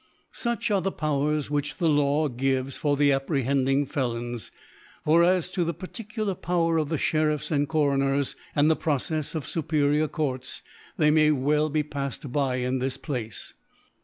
Such are the Powers which the Law gives for the apprehending Felons (for as to the particular Power of SheriflFs and Coroners, and the Procefs of fuperior Courts, they may well be paffed by in this Place.)